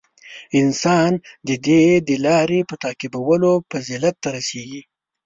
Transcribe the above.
• انسان د دې د لارې په تعقیبولو فضیلت ته رسېږي.